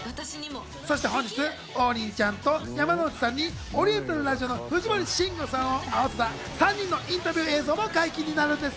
そして本日、王林ちゃんと山之内さんにオリエンタルラジオの藤森慎吾さんを合わせた３人のインタビュー映像も解禁になるんです。